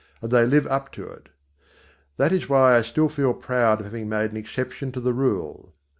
And they live up to it. That is why I still feel proud of having made an exception to the rule.